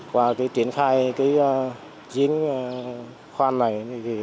qua triển khai diếng khoan này